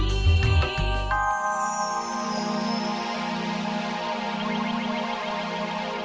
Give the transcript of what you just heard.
kedipa hasrat yang tersembunyi